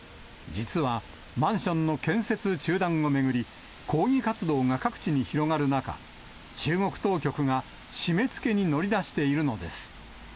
実はマンションの建設中断を巡り、抗議活動が各地に広がる中、中国当局が締めつけに乗り出しているのです。